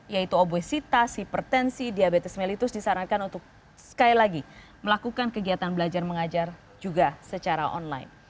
yaitu obesitas hipertensi diabetes mellitus disarankan untuk sekali lagi melakukan kegiatan belajar mengajar juga secara online